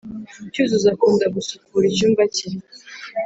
cyuzuzo akunda gusukura icyumba cye